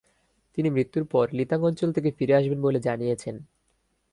তিনি মৃত্যুর পর লিতাং অঞ্চল থেকে ফিরে আসবেন বলে জানিয়েছেন।